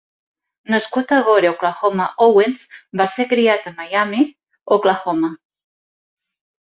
Nascut a Gore, Oklahoma, Owens va ser criat a Miami, Oklahoma.